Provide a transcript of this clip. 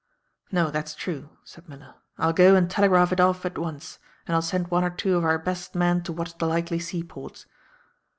"No, that's true," said Miller. "I'll go and telegraph it off at once, and I'll send one or two of our best men to watch the likely seaports."